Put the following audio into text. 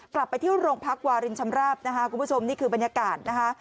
กลับไปที่โรงพักวารินชำราบนะคะคุณผู้ชมนี่คือบรรยากาศนะคะ